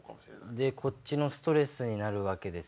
でこっちのストレスになるわけです